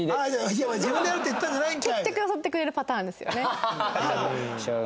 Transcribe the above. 「いやお前自分でやるって言ったんじゃないんかい」。